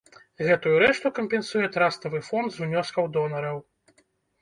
Гэтую рэшту кампенсуе траставы фонд з унёскаў донараў.